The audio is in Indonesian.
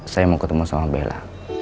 saya mau ketemu sama bella